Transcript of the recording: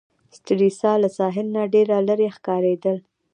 سټریسا له ساحل نه ډېره لیري ښکاریدل.